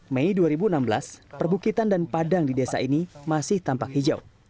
mei dua ribu enam belas perbukitan dan padang di desa ini masih tampak hijau